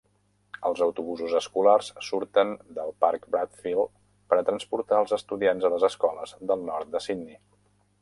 Els autobusos escolars surten del Park Bradfield per a transportar als estudiants a les escoles del nord de Sydney